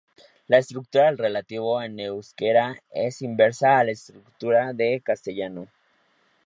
La estructura del relativo en euskera es inversa a la estructura de castellano.